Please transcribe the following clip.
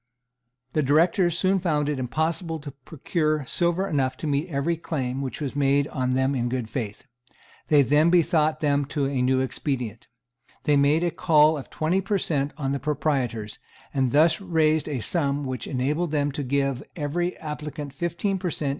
The Directors soon found it impossible to procure silver enough to meet every claim which was made on them in good faith. They then bethought them of a new expedient. They made a call of twenty per cent. on the proprietors, and thus raised a sum which enabled them to give every applicant fifteen per cent.